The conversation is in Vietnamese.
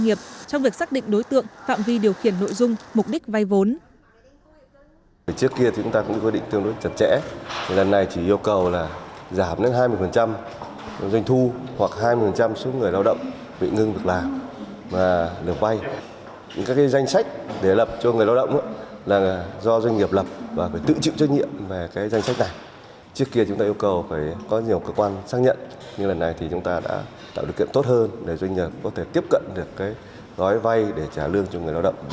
nghiệp trong việc xác định đối tượng phạm vi điều khiển nội dung mục đích vay vốn